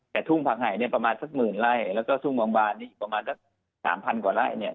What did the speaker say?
แต่ถุงพระไหยประมาณ๑๐๐๐๐ไร่และถุงบางบาลประมาณ๓๐๐๐กว่าราย